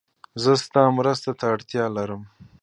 زه ستا مرسته ته اړتیا لرم.